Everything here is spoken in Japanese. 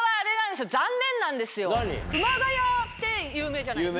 なんですよ。って有名じゃないですか。